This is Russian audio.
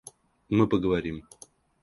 Мы поговорим.